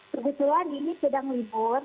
kebetulan ini sedang libur